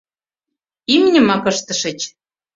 — Имньымак ыштышыч.